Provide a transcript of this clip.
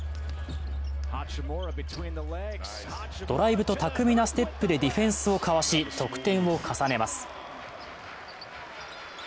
ドライブと巧みなステップでディフェンスをかわし、得点を重ねます。